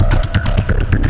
nah kita begini